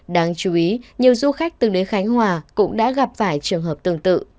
đáng chú ý nhiều du khách từng đến khánh hòa cũng đã gặp phải trường hợp tương tự